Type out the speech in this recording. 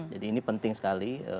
jadi ini penting sekali